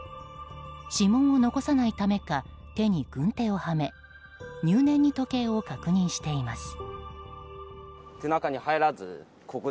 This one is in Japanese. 指紋を残さないためか手に軍手をはめ入念に時計を確認しています。